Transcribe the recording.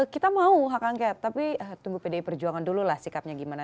kita mau hak angket tapi tunggu pdi perjuangan dulu lah sikapnya gimana